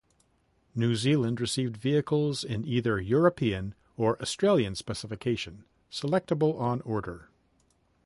New Zealand received vehicles in either European or Australian specification, selectable on order.